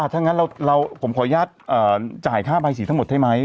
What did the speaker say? ถ้างั้นผมขออนุญาตจ่ายค่าภาษีทั้งหมดได้ไหม